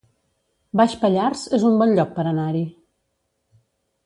Baix Pallars es un bon lloc per anar-hi